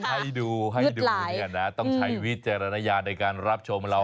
ให้ดูให้ดูเนี่ยนะต้องใช้วิจารณญาณในการรับชมเรา